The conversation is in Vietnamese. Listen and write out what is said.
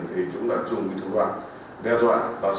thì chúng ta dùng thủ đoàn đe dọa